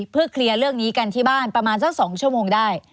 เพื่อเคลียร์เรื่องนี้กันที่บ้านประมาณสัก๒ชั่วโมงได้